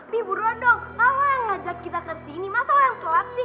bi buruan dong kalo lo yang ngajak kita kesini masa lo yang selat sih